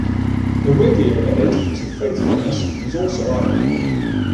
The radio edit to "Faithfulness" was also added.